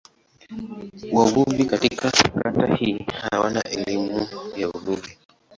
Wavuvi katika kata hii hawana elimu ya uvuvi.